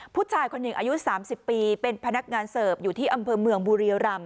ผู้ชายคนหนึ่งอายุ๓๐ปีเป็นพนักงานเสิร์ฟอยู่ที่อำเภอเมืองบุรีรำ